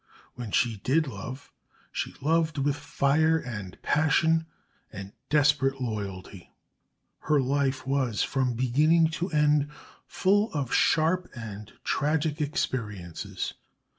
When she did love, she loved with fire and passion and desperate loyalty. Her life was from beginning to end full of sharp and tragic experiences.